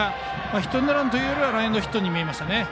ヒットエンドランというよりはランエンドヒットに見えましたね。